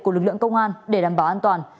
của lực lượng công an để đảm bảo an toàn